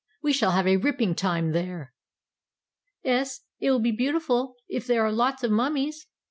We shall have a ripping time there!" "'Es, it will be beautiful if there are lots of Mummies.